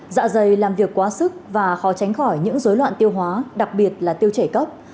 dạ dày làm việc quá sức và khó tránh khỏi những dối loạn tiêu hóa đặc biệt là tiêu chảy cấp